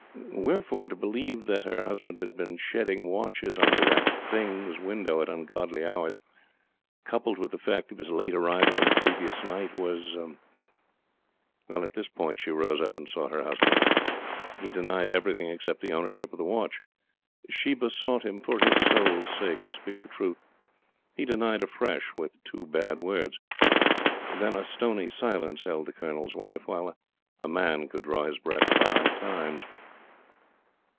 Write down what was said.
] Wherefore, to believe that her husband had been shedding watches under that "Thing's" window at ungodly hours, coupled with the fact of his late arrival on the previous night, was..... At this point she rose up and sought her husband. He denied everything except the ownership of the watch. She besought him, for his Soul's sake, to speak the truth. He denied afresh, with two bad words. Then a stony silence held the Colonel's Wife, while a man could draw his breath five times.